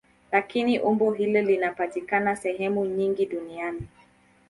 Lakini umbo hili linapatikana sehemu nyingi duniani.